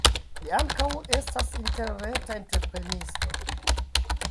Li ankaŭ estas interreta entreprenisto.